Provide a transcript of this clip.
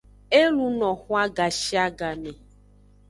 E luno xwan gashiagame.